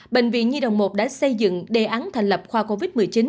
bệnh viện nhi đồng một đã xây dựng đề án thành lập khoa covid một mươi chín